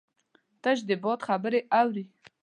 تش د باد خبرې اوري